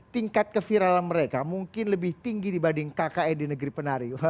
tingkat keviral mereka mungkin lebih tinggi dibanding kked negeri penari